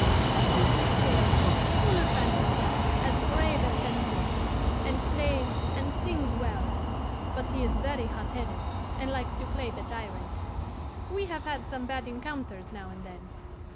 He is gay, full of fancies, as brave as can be, and plays and sings well, but he is very hot headed, and likes to play the tyrant. We have some bad encounters now and then.